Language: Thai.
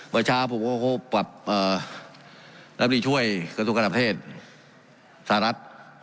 เมื่อเช้าผมก็พบแบบน้ำรี่ช่วยครั้งสุขกับประเทศสารัท